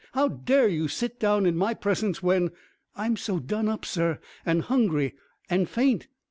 How dare you sit down in my presence, when " "I'm so done up, sir, and hungry and faint."